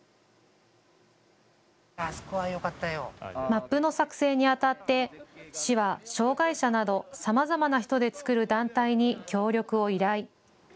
マップの作成にあたって市は障害者など、さまざまな人で作る団体に協力を依頼。